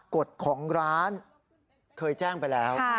กฎของร้านเคยแจ้งไปแล้ว